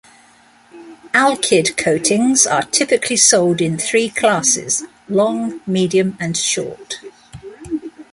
Alkyd coatings are typically sold in three classes: long, medium, and short.